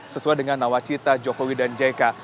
sesuai dengan nawacita jokowi dan jk